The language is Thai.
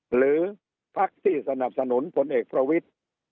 หรือพักที่สนับสนุนพลเอกประวิทธิ์